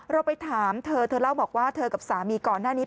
เราไปถามเธอเธอเล่าบอกว่าเธอกับสามีก่อนหน้านี้